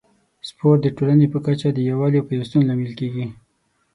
سپورت د ټولنې په کچه د یووالي او پیوستون لامل کیږي.